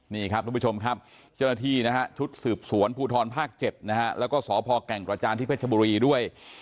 นี่ครับทุกผู้ชมครับเจ้าหน้าที่นะฮะชุดสืบสวนภูทรภาค๗นะฮะแล้วก็สพแก่งกระจานที่เพชรบุรีด้วย